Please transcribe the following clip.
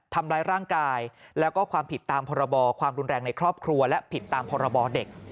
ทำร้ายร่างกายแล้วก็ความผิดตามพรบความรุนแรงในครอบครัวและผิดตามพรบเด็ก